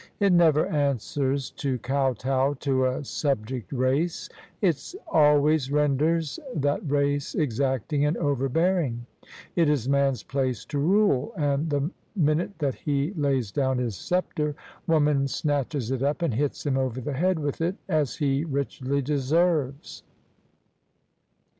It never answers to kow tow to a subject race: it always renders that race exacting and over bearing. It is Man's place to rule: and the minute that he lays down his sceptre. Woman snatches it up and hits him over the head with it — ^as he richly deserves.